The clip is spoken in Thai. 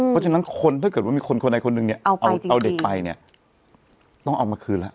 เพราะฉะนั้นคนถ้าเกิดว่ามีคนคนใดคนหนึ่งเนี่ยเอาเด็กไปเนี่ยต้องเอามาคืนแล้ว